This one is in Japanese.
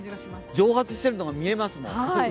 蒸発してるのも見えますもん。